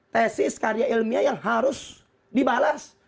tesis karya ilmiah yang harus dibalas